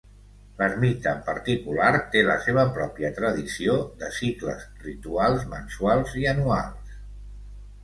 L'ermita en particular té la seva pròpia tradició de cicles rituals mensuals i anuals.